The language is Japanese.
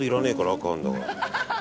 赤あるんだから。